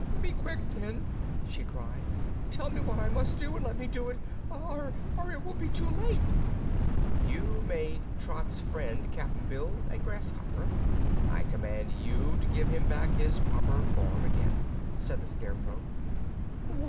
"Be quick, then!" she cried. "Tell me what I must do and let me do it, or it will be too late." "You made Trot's friend, Cap'n Bill, a grasshopper. I command you to give him back his proper form again," said the Scarecrow.